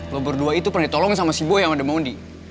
lo berdua itu pernah ditolong sama si boy yang ada mondi